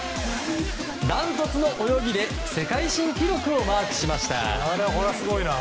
ダントツの泳ぎで世界新記録をマークしました。